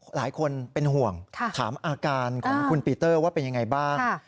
หลายคนเป็นห่วงถามอาการของคุณปีเตอร์ว่าเป็นยังไงบ้าง